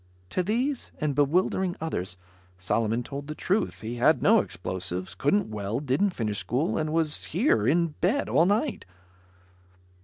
To these, and bewildering others, Solomon told the truth. He had no explosives, couldn't weld, didn't finish school and was here, in bed, all night.